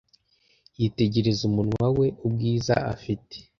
yitegereza umwana we ubwiza afite